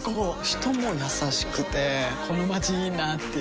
人も優しくてこのまちいいなぁっていう